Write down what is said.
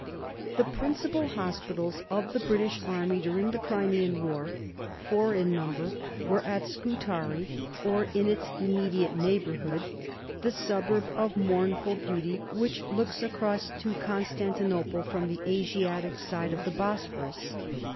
The principal hospitals of the British army during the Crimean War four in number were at Scutari (or in its immediate neighbourhood), the suburb of mournful beauty which looks across to Constantinople from the Asiatic side of the Bosphorus.